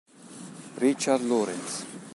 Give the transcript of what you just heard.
Richard Lawrence